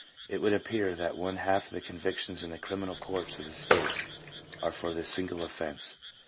It would appear that one half of the convictions in the criminal courts of the state are for this single offence."